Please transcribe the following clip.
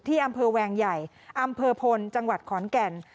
ที่อำเภอแวงใหญ่อำเภอพลจังหวัดขอนแก่น